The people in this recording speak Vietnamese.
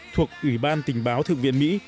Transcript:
thuộc ủy ban tình báo thượng viện mỹ